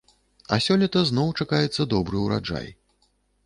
А сёлета зноў чакаецца добры ўраджай.